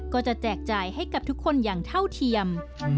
แจกจ่ายให้กับทุกคนอย่างเท่าเทียม